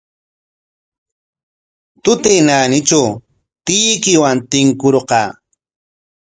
Tutay naanitraw tiyuykiwan tinkurqaa.